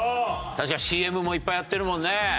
確かにＣＭもいっぱいやってるもんね。